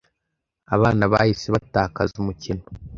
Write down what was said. Abana bahise batakaza umukino.